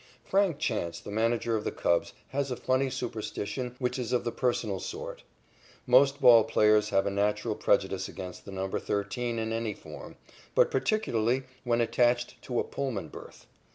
Frank Chance, the manager of the Cubs, has a funny superstition which is of the personal sort. Most ball players have a natural prejudice against the number "13" in any form, but particularly when attached to a Pullman berth.